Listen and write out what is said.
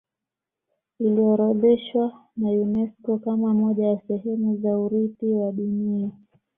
iliorodheshwa na unesco kama moja ya sehemu za urithi wa dunia